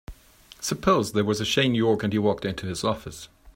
Suppose there was a Shane York and he walked into this office.